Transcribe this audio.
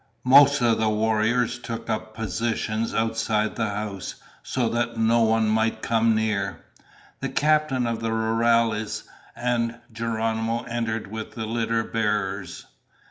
Most of the warriors took up positions outside the house so that no one might come near. The captain of the rurales and Geronimo entered with the litter bearers.